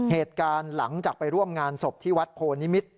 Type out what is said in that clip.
เหตุการณ์หลังจากไปร่วมงานสภที่วัดโพนิมิตร